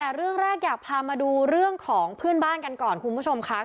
แต่เรื่องแรกอยากพามาดูเรื่องของเพื่อนบ้านกันก่อนคุณผู้ชมค่ะ